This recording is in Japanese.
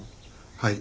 はい。